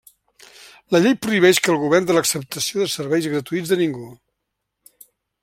La llei prohibeix que el govern de l'acceptació de serveis gratuïts de ningú.